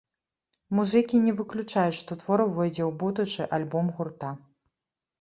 Музыкі не выключаюць, што твор увойдзе ў будучы альбом гурта.